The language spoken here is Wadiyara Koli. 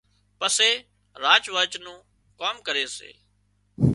پسي راچ ورچ نُون ڪام ڪري سي